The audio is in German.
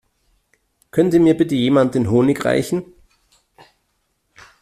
Könnte mir bitte jemand den Honig reichen?